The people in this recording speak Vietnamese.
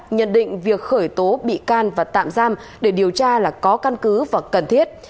nhận định việc khởi tố bị can và tạm giam để điều tra là có căn cứ và cần thiết